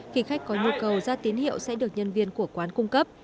khi khách có nhu cầu ra tín hiệu sẽ được nhân viên của quán cung cấp